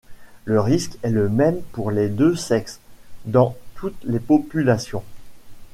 Le risque est le même pour les deux sexes, dans toutes les populations.